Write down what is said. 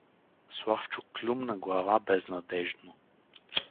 Славчо клюмна глава безнадеждно.